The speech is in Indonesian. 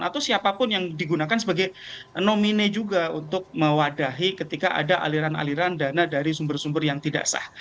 atau siapapun yang digunakan sebagai nomine juga untuk mewadahi ketika ada aliran aliran dana dari sumber sumber yang tidak sah